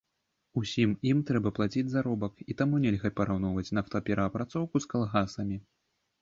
Усім ім трэба плаціць заробак, і таму нельга параўноўваць нафтаперапрацоўку з калгасамі.